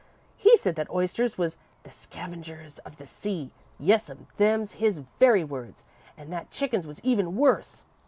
He said that oysters was 'the scavengers of the sea' yes'm, them's his very words, an' that chickens was even worse.